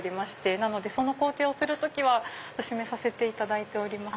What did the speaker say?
なのでその工程をする時は閉めさせていただいております。